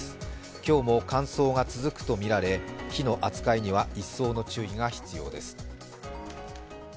今日も乾燥が続くとみられ火の扱いには一層の注意が必要です。